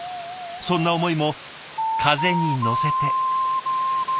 そんな思いも風に乗せて。